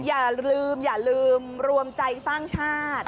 อย่าลืมอย่าลืมรวมใจสร้างชาติ